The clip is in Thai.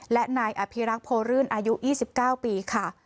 และนายอภิรักษ์โพรื่นอายุ๒๙ปีค่ะ